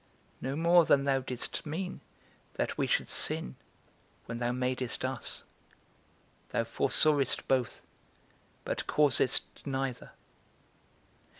No more than thou didst mean, that we should sin, when thou madest us: thou foresawest both, but causedst neither.